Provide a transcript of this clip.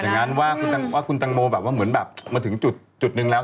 อย่างนั้นว่าคุณตังโมคือมาถึงจุดนึงแล้ว